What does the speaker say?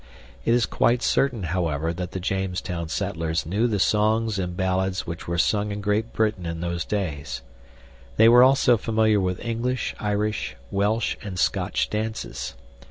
It is quite certain, however, that the Jamestown settlers knew the songs and ballads which were sung in Great Britain in those days. They were also familiar with English, Irish, Welsh, and Scotch dances.